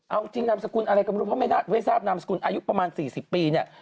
เอาจริงนามสกุลอะไรก็ไม่รู้เพราะไม่ทราบนามสกุลอายุประมาณ๔๐ปีเนี่ย